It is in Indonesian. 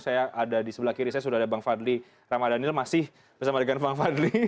saya ada di sebelah kiri saya sudah ada bang fadli ramadhanil masih bersama dengan bang fadli